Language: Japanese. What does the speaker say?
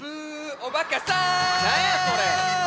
おばかさん！